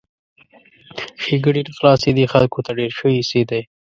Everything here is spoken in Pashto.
ښېګڼې یې نه خلاصېدې ، خلکو ته ډېر ښه ایسېدی!